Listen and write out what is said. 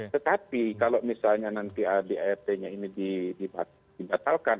tetapi kalau misalnya nanti adart nya ini dibatalkan